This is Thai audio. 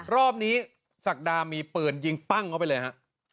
รอบนี้ศักดามีปืนยิงปั้งเข้าไปเลยฮะ